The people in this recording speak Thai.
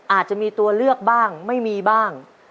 อาจจะมีตัวเลือกบ้างไม่มีบ้าง